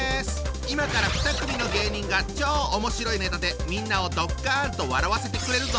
今から２組の芸人が超おもしろいネタでみんなをドッカンと笑わせてくれるぞ！